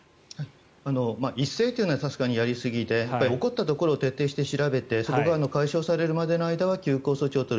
一斉というのは確かにやりすぎで起こったところを徹底的に調べてそこが解消されるまでの間は休校措置を取る。